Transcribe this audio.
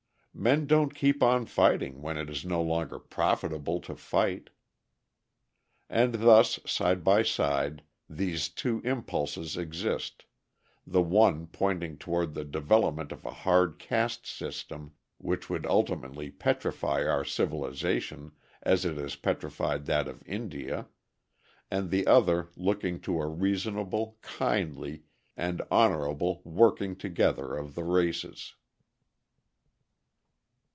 Men don't keep on fighting when it is no longer profitable to fight. And thus, side by side, these two impulses exist the one pointing toward the development of a hard caste system which would ultimately petrify our civilisation as it has petrified that of India; and the other looking to a reasonable, kindly, and honourable working together of the races.